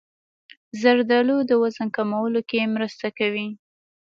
زردالو د وزن کمولو کې مرسته کوي.